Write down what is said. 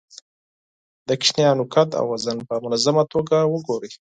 د ماشومانو قد او وزن په منظمه توګه وګورئ.